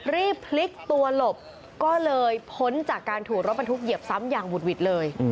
รีบพลิกตัวหลบก็เลยพ้นจากการถูกรถบรรทุกเหยียบซ้ำอย่างหุดหวิดเลย